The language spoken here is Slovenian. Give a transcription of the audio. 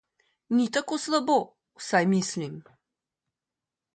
Ni tako slabo, vsaj mislim.